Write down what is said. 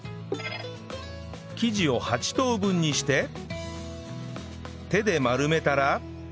生地を８等分にして手で丸めたら